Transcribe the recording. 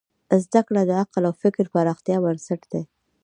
زدهکړه د عقل او فکر پراختیا بنسټ دی.